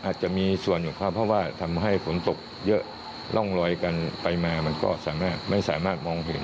อาจจะมีส่วนอยู่ครับเพราะว่าทำให้ฝนตกเยอะร่องรอยกันไปมามันก็สามารถไม่สามารถมองเห็น